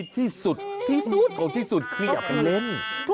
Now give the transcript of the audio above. ถูกต้อง